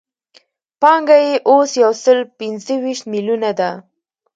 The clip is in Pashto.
پانګه یې اوس یو سل پنځه ویشت میلیونه ده